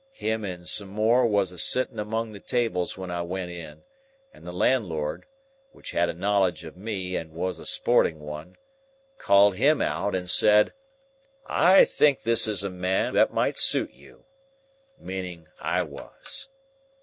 Him and some more was a sitting among the tables when I went in, and the landlord (which had a knowledge of me, and was a sporting one) called him out, and said, 'I think this is a man that might suit you,'—meaning I was.